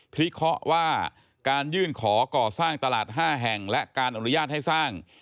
พิเคราะห์ว่าการยื่นขอก่อสร้างตลาด๕แห่งและการอนุญาตให้สร้าง